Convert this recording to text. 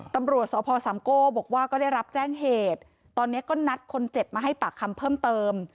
ตำรวจสพสามโก้บอกว่าก็ได้รับแจ้งเหตุตอนนี้ก็นัดคนเจ็บมาให้ปากคำเพิ่มเติม